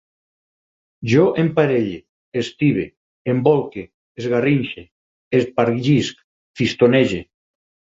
Jo emparelle, estibe, embolque, esgarrinxe, espargisc, fistonege